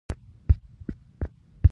هوښیار ته یوه اشاره بسنه کوي.